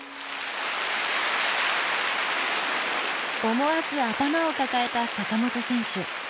思わず頭を抱えた坂本選手。